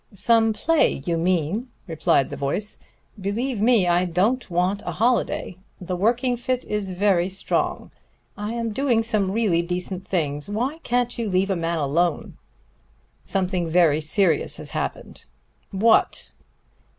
"Some play, you mean," replied the voice. "Believe me, I don't want a holiday. The working fit is very strong. I am doing some really decent things. Why can't you leave a man alone?" "Something very serious has happened." "What?"